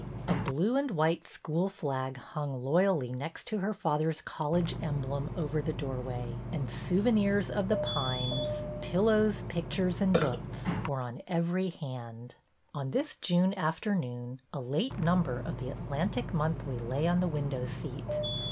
A blue and white school flag hung loyally next to her father's college emblem over the doorway, and souvenirs of The Pines — pillows, pictures, and books — were on every hand. ''MY MOTHER'S JOURNAL" 19 On this June afternoon a late number of The Atlantic Monthly lay on the window seat.